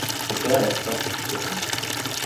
Son père était instituteur.